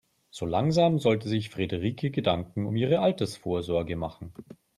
So langsam sollte sich Frederike Gedanken um ihre Altersvorsorge machen.